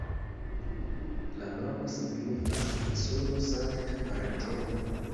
La nomo signifas "insulo Sankta Marteno".